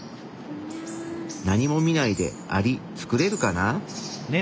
何も見ないでアリ作れるかな？